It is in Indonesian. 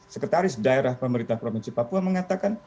sekretaris daerah pemerintah provinsi papua mengatakan